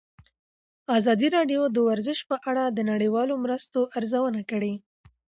ازادي راډیو د ورزش په اړه د نړیوالو مرستو ارزونه کړې.